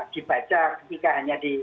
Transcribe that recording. dibaca ketika hanya di